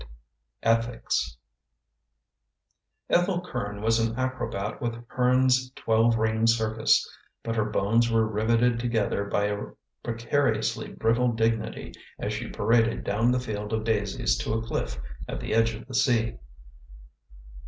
ETHICS ETHEL CURN was an acrobat with Hearn's Twelve Ring Circus, but her bones were riveted together by a precariously brittle dignity as she paraded down the field of daisies to a cliff at the edge of the sea.